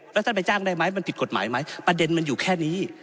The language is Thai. แล้วท่านไปจ้างได้ไหมมันผิดกฎหมายไหมประเด็นมันอยู่แค่นี้